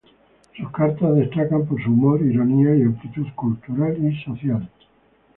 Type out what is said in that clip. Sus cartas destacan por su humor, ironía y amplitud cultural y social.